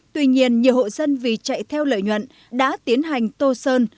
tuy nhiên nhiều hộ dân vì chạy theo lợi nhuận đã tiến hành tô sơn